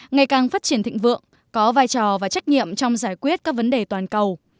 ngày càng phát triển thịnh vượng có vai trò và trách nhiệm trong giải quyết các vấn đề toàn cầu